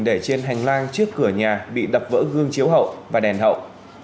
để trên hành lang trước cửa nhà bị đập vỡ gương chiếu hậu và đèn hậu